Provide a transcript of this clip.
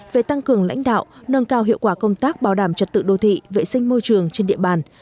về tăng cường lãnh đạo nâng cao hiệu quả công tác bảo đảm trật tự đô thị vệ sinh môi trường trên địa bàn